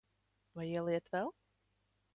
Vai ieliet vēl?